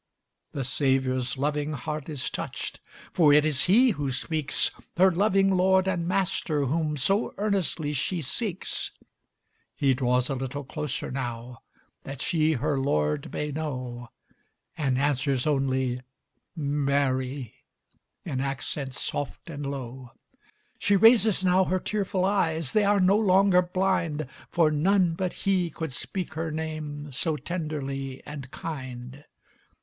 The Saviour's loving heart is touched; (For it is He who speaks Her loving Lord and Master, whom So earnestly she seeks). He draws a little closer now, That she her Lord may know, And answers only, "Mary," In accents soft and low. She raises now her tearful eyes, They are no longer blind; For none but He could speak her name So tenderly and kind.